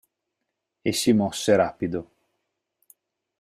E si mosse rapido.